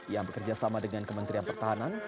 yang bekerjasama dengan kementerian pertahanan